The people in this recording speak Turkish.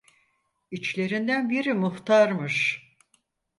İçlerinden biri muhtarmış.